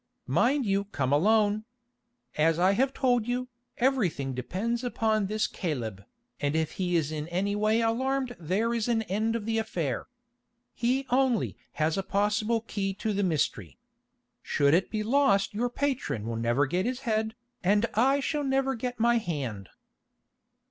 "Mind you come alone. As I have told you, everything depends upon this Caleb, and if he is in any way alarmed there is an end of the affair. He only has a possible key to the mystery. Should it be lost your patron will never get his head, and I shall never get my hand."